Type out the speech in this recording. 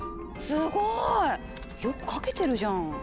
すごい！よく書けてるじゃん。